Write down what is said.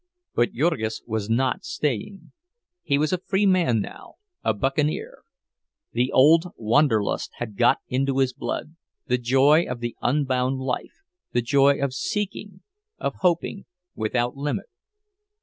But Jurgis was not staying. He was a free man now, a buccaneer. The old Wanderlust had got into his blood, the joy of the unbound life, the joy of seeking, of hoping without limit.